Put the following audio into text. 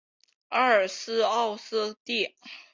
埃尔斯沃思地。